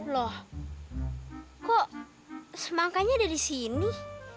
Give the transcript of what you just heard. loh kok semangkanya ada disini